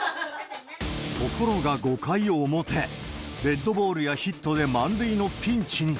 ところが５回表、デッドボールやヒットで満塁のピンチに。